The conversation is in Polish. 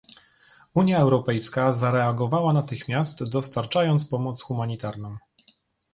Unia Europejska zareagowała natychmiast dostarczając pomoc humanitarną